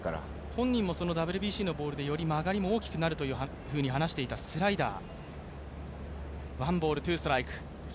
本人もＷＢＣのボールでより曲がりが大きくなると話していたスライダー。